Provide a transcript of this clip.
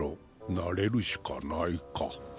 慣れるしかないか」